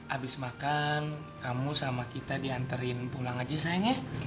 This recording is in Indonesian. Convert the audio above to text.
abis makan kamu sama kita diantarin pulang aja sayangnya